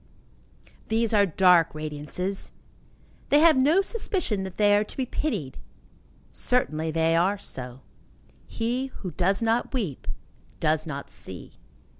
These are dark radiances. They have no suspicion that they are to be pitied. Certainly they are so. He who does not weep does not see.